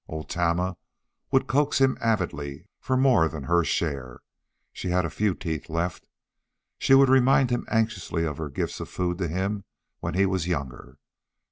Old Tama would coax him avidly for more than her share. She had a few teeth left. She would remind him anxiously of her gifts of food to him when he was younger.